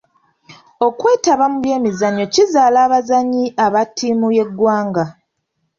Okwetaba mu by'emizannyo kizaala abazannyi aba ttiimu y'eggwanga.